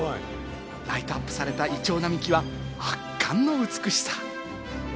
ライトアップされたイチョウ並木は圧巻の美しさ。